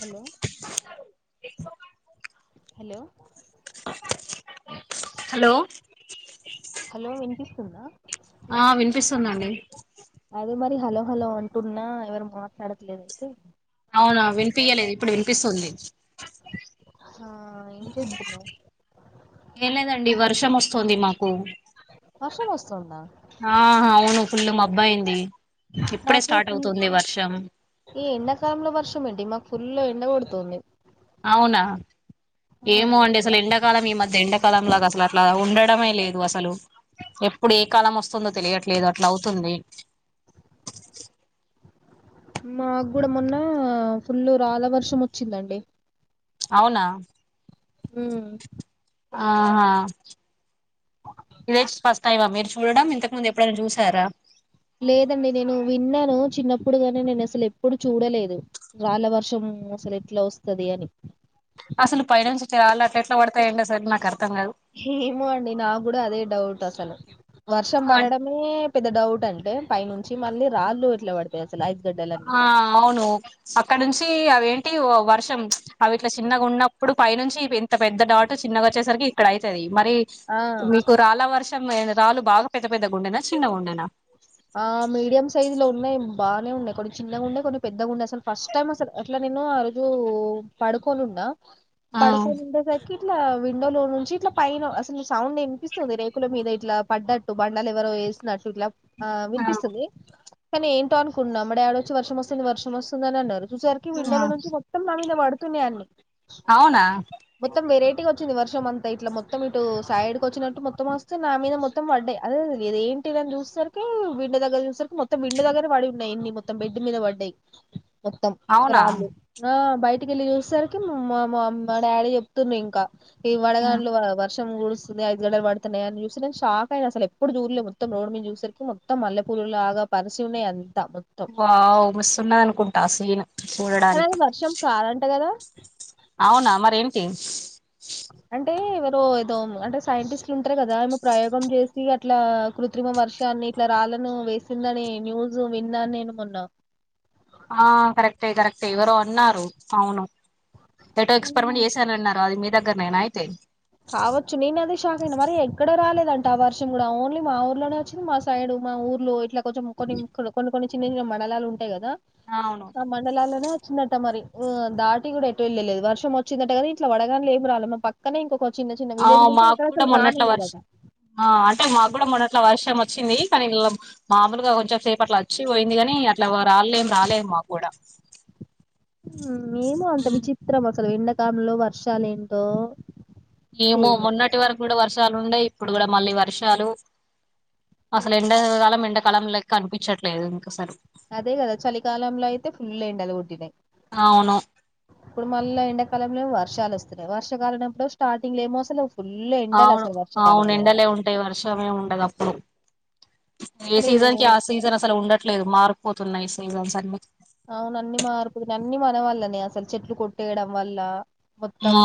Hello ఎ sound hello hello hello వినిపిస్తుందా ఆ వినిపిస్తుందండి అదే మరి హలో హలో అంటున్నా ఎవరు మాట్లాడట్లేదు అయితే అవునా వినిపించలేదు ఇప్పుడు వినిపిస్తుంది ఆ ఏం చేస్తున్నావ్ ఏం లేదండి వర్షంొస్తు వస్తుంది మాకు క వస్తుందా ఆహా అవును ఫుల్ మబ్బు అయింది మాకు ఈ ఎండాకాలంలో వర్షం ఏంటి మాకు ఫుల్లు ఎండ కొడుతుంది అవునా ఆ ఏమో అండి అసలు ఎండాకాలం ఈ మధ్య ఎండక కాలం లాగా అసలు అట్లా ఉండడమే లేదు అసలు ఎప్పుడు ఏ కాలం వస్తుందో తెలియట్లేదు అట్లా అవుతుంది మాకు కూడా మొన్న ఫుల్లు రాళ్ల వర్షం వచ్చిందండి అవునా హ్మ్మ్ ఆహా ఇదిే స్స్ [unintelligible] ఫస్ట్ టైమ్ ఆ మీరు చూడడం ఇంతకు ముందు ఎప్పుడైనా చూసారా లేదండి నేను విన్నాను చిన్నప్పుడుగానే నేను అసలు ఎప్పుడు చూడలేదు రాళ్ల వర్షం అసలు ఎట్లా వస్తుంది అని అసలు పైన నుంచి రాళ్లు అట్లెట్ల పడతాయండి అసలు నాకు అర్థం కాదు ఏమో అండి నా కూడా అదే డౌట్ డౌట్ అసలు వర్షం ఆ పడడమే పెద్దడౌట్ అంటే పైనుంచి మళ్ళీ రాళ్ళు ఇట్లా పడతాయి అసలు ఐస్ గడ్డలన్నీ ఆ అవును అక్కడ నుంచి అవేంటి వర్షం అవి ఇట్లా చిన్నగా ఉన్నప్పుడు పైనుంచి ఇవి ఇంత పెద్ద డాటు చిన్నగా వచ్చేసరికి ఇక్కడ అయితది మరి ఆ మీకు రాలా వర్ష మొత్తం రాళ్ళు బాగా పెద్ద పెద్ద గుండెనా చిన్న గుండెనా ఆ మీడియం సైజు లో ఉన్నాయ్ బాగానే ఉన్నాయి కొన్ని చిన్నగా ఉండే కొన్ని పెద్దగా ఉండే అసలు ఫస్ట్ టైమ్ అసలు అట్లా నేను ఆ రోజు పడుకోనున్నా ఆ పడుకోనుండేసరికి ఇట్లా విండో లో నుంచి ఇట్లా పైన అసలు సౌండ్ ఎనిపిస్తుంది రేకుల మీద ఇట్లా పడ్డట్టు బండలు ఎవరో వేసినట్టు ఇట్ల ఆ వినిపిస్తుంది కానీ ఏంటో అనుకుంటున్నా మా డాడ్ వచ్చి వర్షం వస్తుంది వర్షం వస్తుందని అన్నారు చూసేసరికి విండలో నుంచి మొత్తం నా మీద పడుతున్నాయి అన్ని అవునా మొత్తం వెరైటీగా వచ్చింది వ వర్షం అంతా ఇట్లా మొత్తం ఇటు సైడ్కు వచ్చినట్టు మొత్తం వస్తే నా మీద మొత్తం పడ్డాయి అదే ఇదేంటిని చూస్తార్ క్ విండో దగ్గర చూసరికి మొత్తం విండో దగ్గర పడి ఉన్నాయి ఎన్ని మొత్తం బెడ్ మీద పడ్డాయి మొత్తం అవునా రాళ్ళు ఆ బయటికి వెళ్ళి చూసరికి మా మా అమ్ మా డాడీ చెప్తున్ను ఇంకా ఈ వడగాండ్లు వ-వర్ష మొత్తం గుడుస్తున్నాయ్ ఐస్ గడ్డలు పడుతున్నాయని చూస్తే షాక్ అయిన అసలు ఎప్పుడు చూడలే మొత్తం రోడ్ మీద చూస్సరికి మొత్తం మల్లెపూలు లాగా పరిసీ ఉన్నాయి అం వావ్ మస్తున్నా అనుకుంటా ఆ సీన్ కానీ అది చూడడానికి వర్షం కారంట కదా అవునా మరేంటి అంటే ఎవరో ఏదో అంటే సైంటిస్ట్లు ఉంటారు కదా ఆమె ప్రయోగం చేసి అట్లా కృత్రిమ వర్షాన్ని ఇట్లా రాళ్ళను వేసిందని న్యూస్ విన్నాన్ నేను మొన్న ఆ కరెక్టే కరెక్టే ఎవరో అన్నారు అవును ఏటో ఆహా! ఎక్స్పరిమెంట్ చేసాన్అన్నారు అది మీర్ దగ్గర్నేన అయితే కావచ్చు నేను అదే షాక్ అయిన మరి ఎక్కడ రాలేదంట ఆ వర్షం కూడా ఓన్లీ మా ఊర్లోనే వచ్చింది మా సైడ్ మా ఊర్లో ఇట్లా కొంచం కొనిం ఇక్కడ కొన్ని కొన్ని చిన్న చిన్న మండలాలు ఉంటాయి కదా అవును ఆ మండలాల్లోనే వచ్ వచ్చిందట్ట మరి దాటి కూడా ఎటు వెళ్ళలేదు వర్షం వచ్చిందట కదా ఇట్లా వడగండ్లేం ఏమి రాల మరి పక్కనే ఇంకొక చిన్న చిన్న ఆ విలేజ్లు ఉంటే మాకు అక్కడ కూడా అసలు రానే మొన్నట్ల లేదట వర్షం ఆ అంటే మాకు కూడా మొన్నట్ల వర్షం వచ్చింది కానీ ఇ మామలుగా కొంచెం సేపు అట్లా వచ్చిపోయింది కాని అట్లా రాలేం రాలేం మా కూడా ఉమ్ ఏమో అంత విచిత్రం అసలు ఎండాకాలంలో వర్షాలు ఏంటో ఏమో మొన్నటి వరకు కూడా వర్షాలు ఉన్నాయి ఇప్పుడు కూడా మళ్ళీ వర్షాలు అసలు ఎండకాలం ఎండ కలం లెక్క కనిపించట్లేదు అదే కదా చలికాలంలో అయితే ఫుల్ ఎండలు కొట్టినాయ్ అవును ఇప్పుడు మళ్ళా ఎండాకాలంలో వర ర్షాలు వస్తున్నాయి. వర్షకాలమెప్పుడు స్టార్టింగ్లేమో అసలు వ అవును అవును ఎండలే ఉంటాయి వర్షమేముండదు అప్పుడు, ఏ మరి ఇది సీజన్ కి ఆ సీజన్ అసలు ఉండట్లేదు మార్పు తున్నాయ్ సీజన్స్ అన్ని అవును అన్ని మారిపోయి అన్ని మన వల్లనే అసలు చెట్లు కొట్టేయడం వల్ల మొత్తం ఆ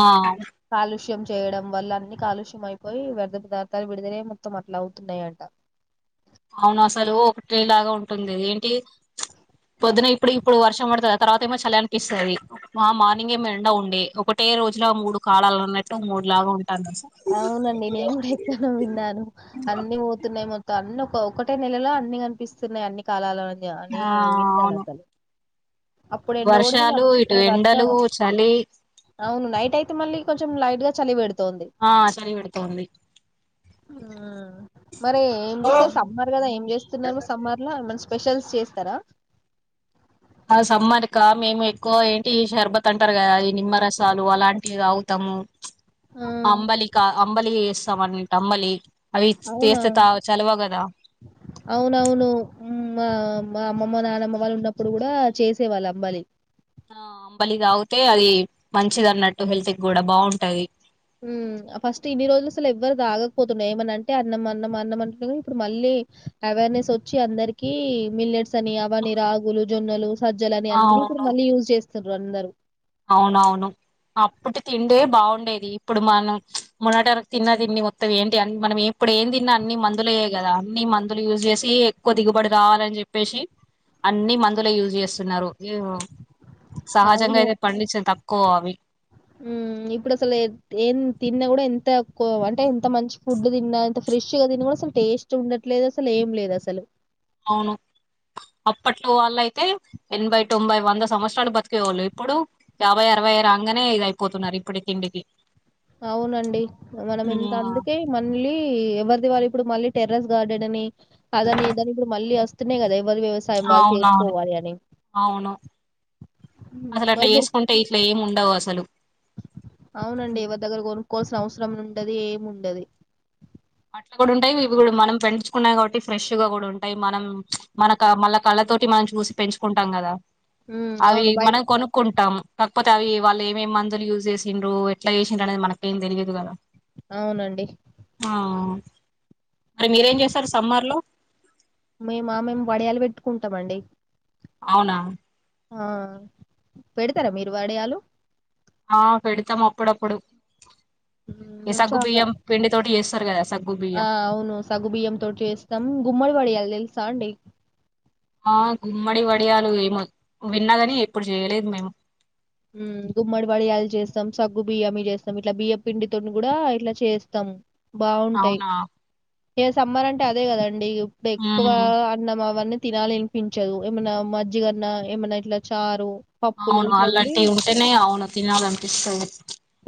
కాలుష్యం చేయడం వల్ల అన్ని కాలుష్యం అయిపోయి వ్యర్థ పదార్థాలు విడుదలై మొత్తం అట్లా అవుతున్నాయంట అవును అసలు ఒకటే లాగా ఉంటుంది ఏంటి పొద్దున ఇప్పుడు ఇప్పుడు వర్షం పడుతది, తర్వాత ఏమో చలి అనిపిస్తది ఆ మార్నింగ్ ఏమో ఎండ ఉండే ఒకటే రోజులా మూడు కాలాలన్నట్టు మూడు లాగా ఉం అవునండి నేను కూడా ఎక్కను విన్నాను అన్ని పోతున్నాయి మొ అన్ని ఒక ఒకటే నెలలో అన్ని కనిపిస్తున్నాయి అండి అన్ని ఆ అవును కాలాలలో [unintelligible] వర్షాలు ఇటు ఎండలు వర్షం చలి అవును నైట్ అయితే మళ్ళీ కొంచెం లైట్గా చలిపెడు తుంది ఆ చలి పెడుతోంది మరి ఏం చేస్తే సమ్మర్ కదా ఏం చేస్తున్నారు సమ్మర్ లో స్పెషల్స్ చేస్తారా ఓ సమ్మర్ కా మేము ఎక్కువ ఏంటి షర్బత్ అంటారు కదా ఈ నిమ్మరసాలు అలాంటివి తాగుతాము ఆ అంబలిక అంబలి చేసి [unintelligible] అంబలి అవి అవునా చేస్తే తా చలవ కదా అవునవును మ్మ్ ఆ మా అమ్మమ్మ, నానమ్మ వాళ్ళు ఉన్నప్పుడు కూడా చేసేవాళ్ళు అంబాలి ఆ అంబలి తాగితే అది మంచిది అన్నట్టు హెల్త్ కి కూడా బాగుంటది ఫస్ట్ ఇన్ని రోజులు అసలు ఎవ్వరు తాగకపోతుండే ఏమన్నా అంటే అన్నం అన్నం అన్నం అంటూ ఇప్పుడు మళ్ళీ అవేర్నెస్ వచ్చి అందరికి మిల్లెట్స్ అని అవని రాగులు, జొన్నలు సజ్జలు అని అన్ని ఇప్పుడు అవును మళ్ళీ యూజ్ చేస్ అందరు అవునవును అప్పుటి తిండే బాగుండేది ఇప్పుడు మనం మున్నటవరకు తిన్న తిండి మొత్తం ఏంటి మనం ఇప్పుడు ఏం తిన్నా అన్ని మందులుయే గదా అన్ని మందులు యూజ్ చేసి ఎక్కువ దిగుబడి కావాలని చెప్పేసి అన్ని మందులే యూజ్ చేస్తున్నారు సహజంగా ఇద ఇప్పుడసలు ఎన్ ఏం తిన్న కూడా ఎంత ఎక్కువ అంటే ఎంత మంచి ఫుడ్ తిన్నా ఎంత ఫ్రెష్గా తిన్నా కూడా అసలు టేస్ట్ ఉండట్లేదు అసలు ఏం లేదు అసలు అవును అప్పట్లో వాళ్ళు అయితే ఎనభై, తొంభై, వంద సంవత్సరాలు బతికేవాళ్ళు. ఇప్పుడు యాభై, అరవై రాంగనే ఇది అయిపోతున్నారు ఇప్పటి తిండికి అవునండి మనం ఇంత ఉమ్, అందుకే మళ్ళీ ఎవరిది వారే ఇప్పుడు మళ్ళీ టెర్రెస్ గార్డెన్ అని అదని, ఇదని ఇప్పుడు మళ్ళీ వస్తున్నాయి కదా అవునవును అవును హ్మ్. అసలు అట్లా మరి మీరు వేసుకుంటే ఇట్ల ఏమి ఉండవు అసలు అవునండి ఎవరి దగ్గర కొను కోవాల్సిన అవసరం ఉండది ఏమి ఉండది అట్లా కూడా ఉంటాయి ఇవి కూడా మనం పెంచుకున్నా కాబట్టి ఫ్రెష్ గా కూడా ఉంటాయి మనం మన మళ్ కళ్ళ తోటి మనం చూసి పెంచుకుంటాం కదా హ్మ్. అవి అవును. బయట మనం కొనుక్కుంటాము కాకపోతే అవి వాళ్ళు ఏమేమి మందులు యూజ్ చేసిండ్రు ఎట్లా చేసిండ్రు అనేది మనక ఏం తెలియదు కదా అవునండి మరి మీరేం చేస్తారు సమ్మర్లో మేము ఆ మేము వడియాలు పెట్టుకుంటామండి అవునా ఆ పెడతారా మీరు వడియాలు ఆ పెడతాం అప్పుడప్పుడు హ్మ్. ఈ మేము చాలా సగ్గుబియ్యం పిండితో చేస్తాం [unintelligible] ఆ అవును సగుబియ్యం తోటి చేస్తాం గుమ్మడి వడియాలు తెల చాండి ఆ గుమ్మడి వడియాలు ఏమో విన్నాదని ఎప్పుడు చేయలేదు మేము గుమ్మడి వడియాలు చేస్తాం సగ్గు బియ్యమ చేస్తాం ఇట్లా బియ్య పిండితో కూడా ఇట్లా చేస్తాం బాగుంటాయి అవునా ఏ సమ్మర్ అంటే అదే కదండి అండే బెకువ ఉమ్ అన్నం అవన్నీ తినాలి వినిపించదు ఏమన్నా మజ్జిగన్నా ఏమన్నా ఇట్లా చారు పప్పులు ఇట్లా ఉంటేనేయి అవును తినాలనిపిస్తది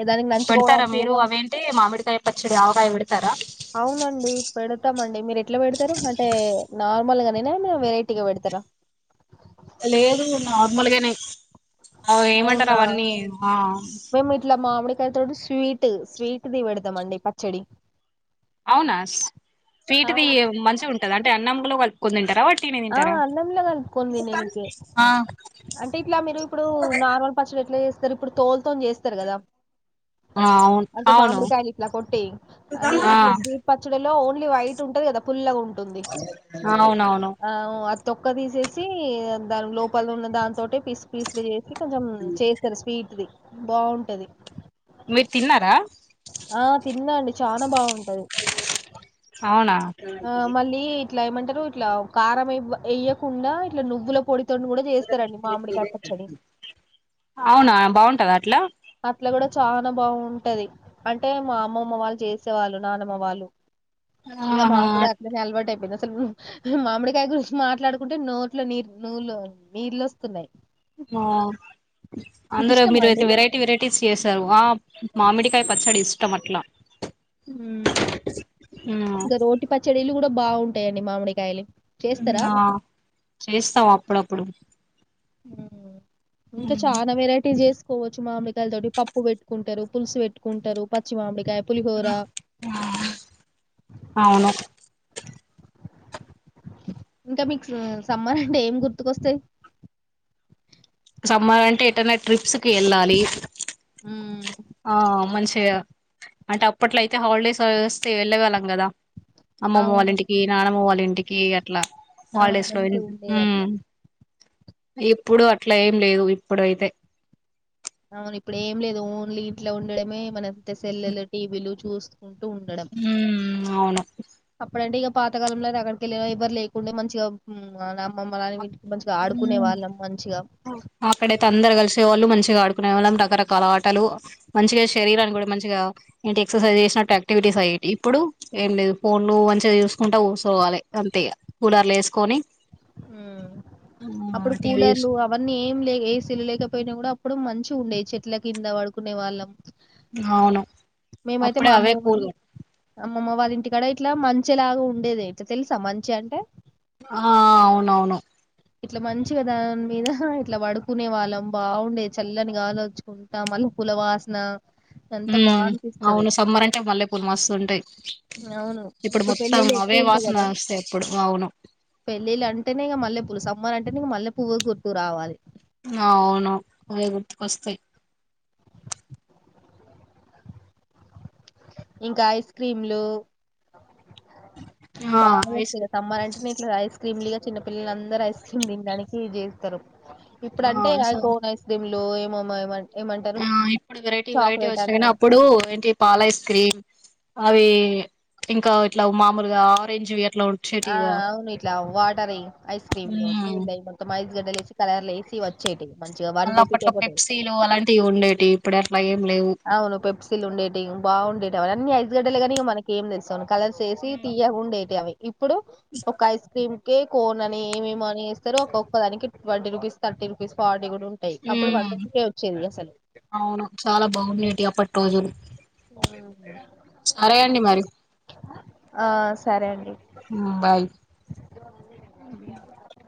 ఏ దానికి పెడతారా నంచుకోవడానికి మీరు ఏదో అవేంటి మామిడికాయ పచ్చడి ఆవకాయ పెడతారా అవునండి పెడతామండి మీరు ఎట్లా పెడతారు అంటే నార్మల్గా వెరైటీగా పెడుతార లేదు నార్మల్గానే అవు ఏమంటారు అవునా అవన్నీ ఆ డు స్వీట్ స్వీట్ది పెడదాంమండి పచ్చడి అవునా స్వీట్ ది అవును మంచిగా ఉంటదండి అన్నమ్ంలో కలుపుకొని తింట ఆ అన్నంలా కలుపుకుంది నేనికి ఆ అంటే ఇట్లా మీరు ఇప్పుడు నార్మల్ పచ్చడి ఎట్లా చేస్త ఇప్పుడుతోల్ మొత్త చేస్తారు కదా అవును అంటే అవును మామిడికాయలు ఇట్లా కొట్టి అని ఆ ఇట్లా స్వీట్ పచ్చడిలో వైట్ ఉంటది కదా పల్లగా ఉ అవునవును ఆవు అ తొక్క తీసేసి దాని లోపల ఉన్న దాంతోటి పీస్ పీస్లు చేసి కొంచెం చేస్తారు స్వీట్ది బాగుంటది మీరు తిన్నారా ఆ తిన్నా అండి చానా బాగుం అవునా ఆ మళ్ళీ ఇట్లా ఏమంటారు ఇట్లా కారం వెయ్యకుండా ఇట్లా నువ్వుల పొడి అవునా బాగుంటదా అట్లా అట్లా కూడా చానా బాగుంటది అంటే మా అమ్మమ్మ వాళ్ళు చేసేవాళ్ళు నానమ్మ వాళ్ళు ఇక మా ఆహా కూడా అట్లనే అలవాటు అయిపోయింద అసలు మామిడికాయ గురించి మాట్లాడుకుంటే నోట్లో నీరు నూలు నీళ్లు వస్తున్నాయి ఆ మీకు అందరు ఇష్టమా మీరయితే అండి వెరైటీ టి వెరైటీస్ చేసారు ఆ మామిడికాయ పచ్చడి ఇష్టం అట్లా ఉమ్ ఇంగ రోటీ పచ్చడీలు కూడా బాగుంటాయండి మామిడికాయలు చేస్తారా ఆ చేస్తాం అప్పుడప్పు ప్పుడు ఉహూ ఇంకా చానా వెరైటీస్ చేసు కోవచ్చు మామిడికాయల తోటి పప్పు పెట్టుకుంటారు పులుసు పెట్టుకుంటారు పచ్చి మామిడి కాయ్ పులి హోరా అవును ఇంకా మీకు సమ్మర్ అంటే ఏం గుర్తుకొస్తాయి సమ్మర్ అంటే ఎటైనా ట్రిప్స్ కి వెళ్ళాలి మ్మ్. ఆ మంచిగా అంటే అప్పట్లో అయితే హాలిడేస్ వస్తే వెళ్ళేవాళ్ళం కదా అమ్మమ్మ వాళ్ళ అవును ఇంటికి నాన్నమ్మ వాళ్ల ఇంటికి కీ అట్లా అవును హాలిడేస్ లో వి మంచిగా ఉండేది ఉమ్ అట్లా ఇప్పుడు అట్లా ఏ లేవు ఇప్పుడైతే అవును ఇప్పుడు ఏం లేదు ఓన్లీ ఇంట్లో ఉండడమే [unintelligible] సెల్లులు టీవీలు చూసు కుంటూ ఉండడం అవును అప్పుడంటే ఇక పాతకాలంలోనే ఎక్కడికెళ్ళిన ఎవరు లేకుండే మంచిగా అమ్మమ్మ అని ఉమ్ అక్కడైతే అందరు కలిసే వాళ్ళు మంచి గా ఆడుకునే వాళ్ళం రకరకాల ఆటలు మంచిగా శరీరానికి కూడా మంచిగా ఏంటి ఎక్సర్సైజ్ చేసినట్టు యాక్టివిటీస్ అయ్యవి ఇప్పుడు ఏం లేదు ఫోన్లు మంచిగా చూసుకుంటా కూసోవాలి అంతే కూలర్లు వేసుకొని ఉమ్ ఆ అప్పుడు టీవీ కూలర్లు చూసుకు అవన్నీ ఏం లే ఏసీలు లేకపోయినా కూడా అప్పుడు మంచి. తుమ్నే చెట్ల కింద పడుకునే వాళ్ళం అవును మేమైతే అప్పుడే మా అవే అమ్మమ్మ వాళ్ళ కూలీ అమ్మమ్మ వాళ్ళ ఇంటి కాడ ఇట్ల మంచె ఇలాగ ఉండేది ఇట్లా తెలుసా మంచె అంటే. ఆ... అవునవును ఇట్ల మంచిగా దాని మీద ఇట్ల పడుకునే వాళ్ళం బావుండేది చల్లనిగాల్లోచ్చుకుంటా మల్లె పూలవాసన. హ్మ్ అవును సమ్మర్ అంటే మల్లె పూలు మస్తుంటాయ్. అవును ఇప్పుడు పెళ్ళిళ్ళు ఎక్కువ ఉంటాయ్ గదా వస్తాయి ఇప్పుడు అవును పెళ్ళిళ్ళు అంటేనే ఇక మల్లె పూలు స్. సమ్మర్ అంటేనే ఇగ మల్లె పువ్వు గుర్తుకు రావాలి. ఆ అవును అవే గుర్తుకొస్తాయ్. ఇంకా ఐస్ క్రీమ్లు ఆ బాగా ఐస్ వస్తాయ్ గ సమ్మర్ అంటేనే ఇట్ల ఐస్ క్రీమ్ల్ఇగ. చిన్నపిల్లలందరు ఐస్ క్రీమ్ తినడానికి జేస్తరు. ఇప్పుడు ఆ అంటే అ కోన్ ఐస్ క్రీమ్ లోఎమోమైమట్ హ్మ్ ఇప్పుడు వెరైటీ వెరైటీ వచ్చినాయ్ అని కానీ అప్పుడు ఏంటి పాల ఇస్. క్రీమ్ అవి ఇంకా ఇట్ల మాములుగా ఆరెంజ్ వి ఆ అవును ఇట్లా వాటరీ ఐస్ క్రీమ్ లో నీళ్ళు అయిపోనక మై. గడ్డలేేసి కలర్లేసి వచ్చేటి. మళ్ళ అప్పట్లో పెప్సీలు అలాంటివి ఉండేటివి. ఇప్పుడా అవును పెప్సిల్ ఉండేటిఇ బావుండే. తెవలన్నీ ఐస్ గడ్డలె గాని ఇగ మన ఏం దెల్సు అవునా. కలర్స్ ఎసి ఉ తియ్యగుండేటివి అవి ఇప్పుడు ఒక్క ఐస్ క్రీమ్. గి కోన్ అని మీమొ అని ఇస్తరు ఒక్కొక్క దానికి ట్వంటీ రూపీస్ థర్టీ రూపీస్ ఫా. డిగుడుంటాయ్ ఉ అప్పుడు వన్ రూపీకె వచ్చేవి అస్సలు. పట్రోజులు. మరి ఆ.. సరే అండి బాయ్ అ